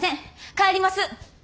帰ります！